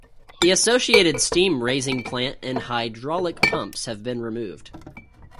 The associated steam raising plant and hydraulic pumps have been removed.